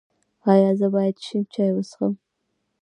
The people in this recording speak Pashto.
ایا زه باید شین چای وڅښم؟